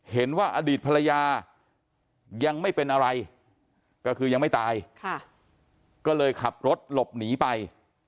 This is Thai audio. เห็นว่าอดีตภรรยายังไม่เป็นอะไรก็คือยังไม่ตายก็เลยขับรถหลบหนีไป